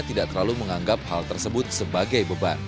tidak terlalu menganggap hal tersebut sebagai beban